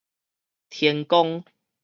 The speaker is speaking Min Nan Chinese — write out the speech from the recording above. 天罡